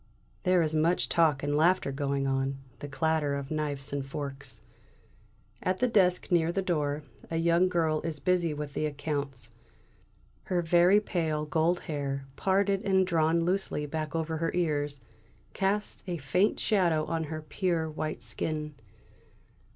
There is much talk and laughter going on; the clatter of knives and forks. At the desk near the door, a young girl is busy with the accounts. Her very pale gold hair, parted and drawn loosely back over the ears, casts a faint shadow on her pure, white skin.